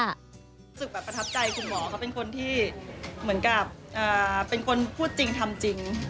รู้สึกประทับใจคุณหมอเขาเป็นคนที่เป็นคนพูดจริงทำจริง